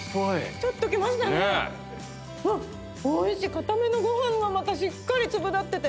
固めのご飯がまたしっかり粒立ってて。